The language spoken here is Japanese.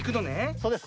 そうです。